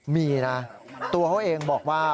มีนะตัวเขาเองบอกว่า